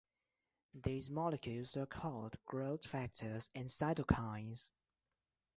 These molecules are called growth factors and cytokines.